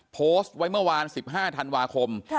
โพสต์ไว้เมื่อวาน๑๕ธันวาคม